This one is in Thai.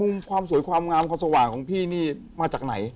ความสวยความงามความสว่างของพี่นี่มาจากไหน